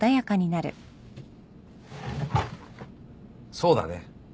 そうだね。